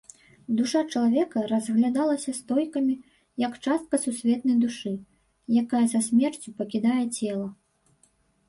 Душа чалавека разглядалася стоікамі як частка сусветнай душы, якая са смерцю пакідае цела.